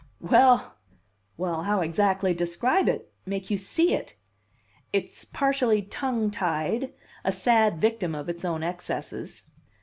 "Well!... well!... how exactly describe it?... make you see it?... It's partially tongue tied, a sad victim of its own excesses.